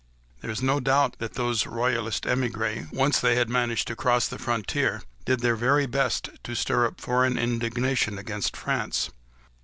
There is no doubt that those royalist émigrés, once they had managed to cross the frontier, did their very best to stir up foreign indignation against France.